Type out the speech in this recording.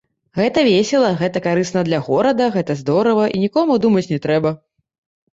Гэта весела, гэта карысна для горада, гэта здорава, і нікому думаць не трэба.